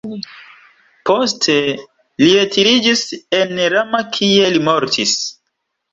Poste li retiriĝis en Rama kie li mortis.